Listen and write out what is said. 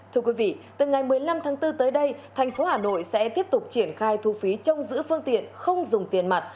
thưa quý vị từ ngày một mươi năm tháng bốn tới đây thành phố hà nội sẽ tiếp tục triển khai thu phí trong giữ phương tiện không dùng tiền mặt